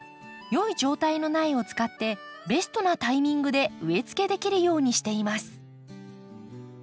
良い状態の苗を使ってベストなタイミングで植えつけできるようにしています。